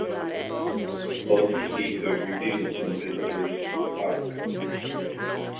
Both received good reviews from visitors to the park.